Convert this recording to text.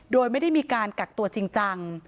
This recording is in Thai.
โดยไม่ได้มีการกักตัวจริงจัง